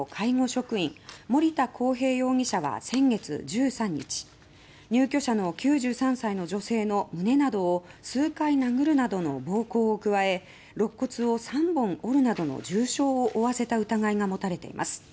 職員森田航平容疑者は先月１３日入居者の９３歳の女性の胸などを数回殴るなどの暴行を加え肋骨を３本折るなどの重傷を負わせた疑いが持たれています。